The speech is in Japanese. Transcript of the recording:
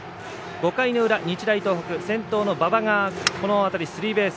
５回の裏、日大東北先頭の馬場がこの当たりスリーベース。